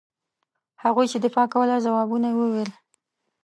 هغوی چې دفاع کوله ځوابونه وویل.